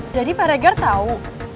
jadi pak regar tahu